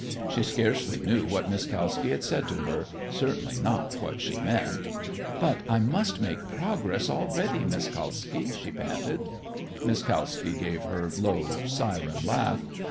She scarcely knew what Miss Kalski had said to her, certainly not what she meant. "But I must make progress already, Miss Kalski," she panted. Miss Kalski gave her low, siren laugh.